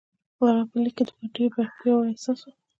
د هغه په لیک کې ډېر پیاوړی احساس و